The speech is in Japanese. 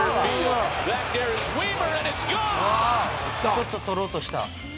ちょっと捕ろうとした。